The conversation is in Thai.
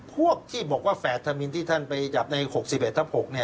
พวกที่บอกว่าแฝดธมินที่ท่านไปจับใน๖๑ทับ๖